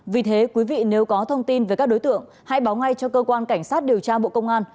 vì thế quý vị nếu có thông tin về các đối tượng hãy báo ngay cho cơ quan cảnh sát điều tra bộ công an